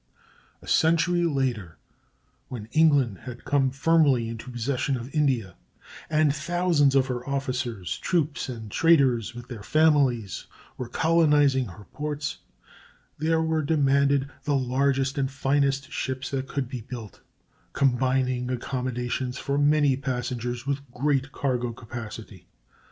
A century later, when England had come firmly into possession of India, and thousands of her officers, troops, and traders, with their families, were colonizing her ports, there were demanded the largest and finest ships that could be built, combining accommodations for many passengers with great cargo capacity.